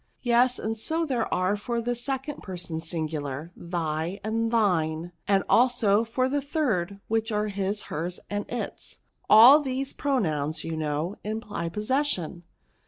Yes ; and so there are for the second person singular, thy and thiney and also for the third, which are, his^ hers, and its. All these pronouns, you know, imply posses sion.